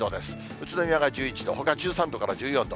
宇都宮が１１度、ほか１３度から１４度。